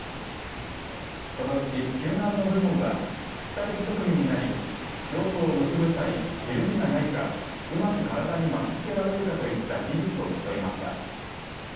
このうち救難の部門は２人１組になりロープを結ぶ際、緩みがないかうまく体に巻きつけられるかといった技術を競いました。